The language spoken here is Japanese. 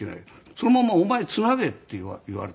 「そのままお前つなげ」って言われた。